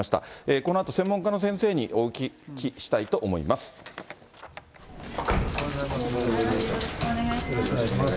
このあと、専門家の先生にお聞きしたいと思います。